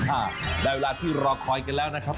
อ่าได้เวลาที่รอคอยกันแล้วนะครับ